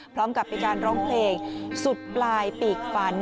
พร้อมกับเป็นการร้องเพลงสุดปลายปีกฝัน